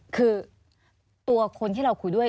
คือตัวคนที่เราคุยด้วย